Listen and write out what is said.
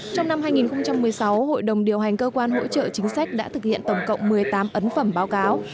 trong năm hai nghìn một mươi sáu hội đồng điều hành cơ quan hỗ trợ chính sách đã thực hiện tổng cộng một mươi tám ấn phẩm báo cáo